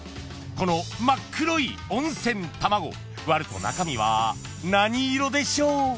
この真っ黒い温泉卵割ると中身は何色でしょう］